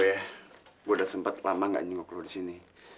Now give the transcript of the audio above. saya sudah sempat lama nggak nyenguk ke sini